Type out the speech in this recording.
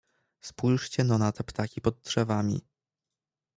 "Spójrzcie no na te ptaki pod drzewami."